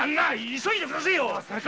急いでくだせえよ。